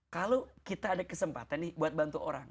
kalau kita ada kesempatan nih buat bantu orang